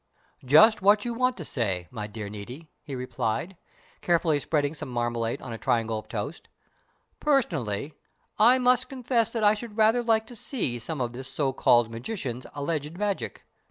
"Just what you want to say, my dear Niti," he replied, carefully spreading some marmalade on a triangle of toast "Personally, I must confess that I should rather like to see some of this so called magician's alleged magic.